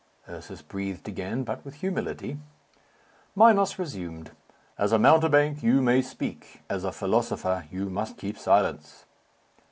Ursus breathed again, but with humility. Minos resumed, "As a mountebank, you may speak; as a philosopher, you must keep silence."